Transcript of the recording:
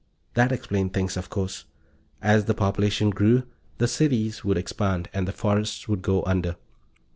That explained things, of course. As the population grew, the cities would expand and the forests would go under.